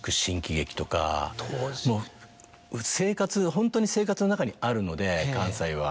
ホントに生活の中にあるので関西は。